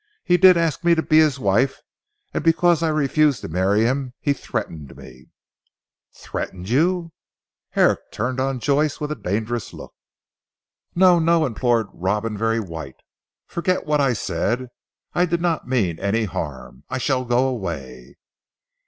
"He did ask me to be his wife and because I refused to marry him, he threatened me." "Threatened you," Herrick turned on Joyce with a dangerous look. "No! No!" implored Robin very white, "forget what I said. I did not mean any harm. I shall go away."